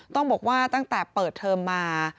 ต้องบอกว่าตั้งแต่เปิดเทอมมา